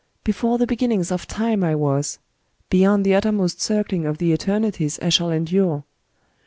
Before the beginnings of Time I was ;— beyond the uttermost circling of the Eternities I shall endure.